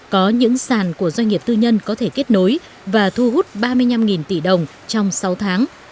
có những sàn của doanh nghiệp tư nhân có thể kết nối và thu hút ba mươi năm tỷ đồng trong sáu tháng